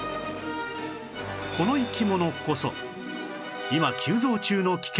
この生き物こそ今急増中の危険